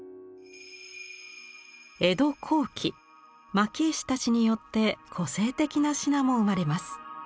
江戸後期蒔絵師たちによって個性的な品も生まれます。